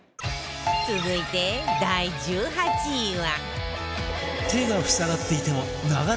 続いて第１８位は